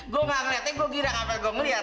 gua ga ngeliatnya gua kira apa yang gua ngeliat